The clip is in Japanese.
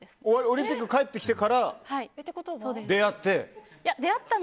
オリンピック帰ってきてから出会って？